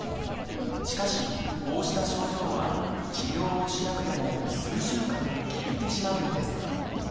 しかしこうした症状は治療をしなくても数週間で消えてしまうのです。